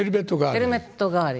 ヘルメット代わり。